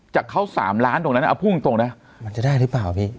จากเขา๓ล้านตรงนั้นเอาพูดตรงนะมันจะได้หรือเปล่าพี่